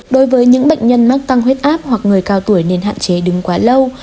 đối với những bệnh nhân mắc tăng huyết áp hoặc người cao tuổi nên hạn chế đứng quá lâu